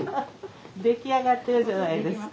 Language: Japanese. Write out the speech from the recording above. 出来上がってるじゃないですか。